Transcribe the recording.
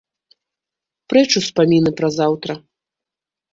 Прэч успаміны пра заўтра.